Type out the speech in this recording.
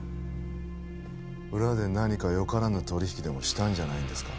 裏で何かよからぬ取り引きでもしたんじゃないんですか？